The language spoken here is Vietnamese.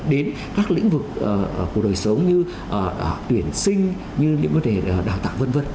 đến các lĩnh vực của đời sống như tuyển sinh như những vấn đề đào tạo vân vân